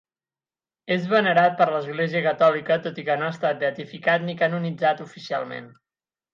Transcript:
És venerat per l'Església catòlica, tot i que no ha estat beatificat ni canonitzat oficialment.